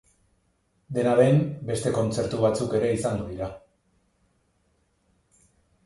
Dena den, beste kontzertu batzuk ere izango dira.